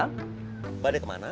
bang balik kemana